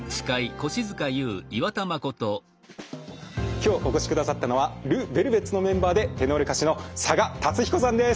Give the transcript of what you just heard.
今日お越しくださったのはＬＥＶＥＬＶＥＴＳのメンバーでテノール歌手の佐賀龍彦さんです。